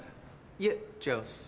いえ違います。